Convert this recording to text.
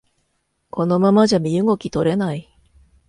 このままじゃ身動き取れない